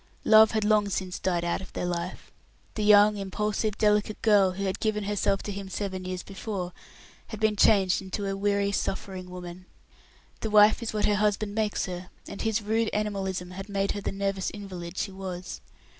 Love had long since died out of their life. The young, impulsive, delicate girl, who had given herself to him seven years before, had been changed into a weary, suffering woman. The wife is what her husband makes her, and his rude animalism had made her the nervous invalid she was.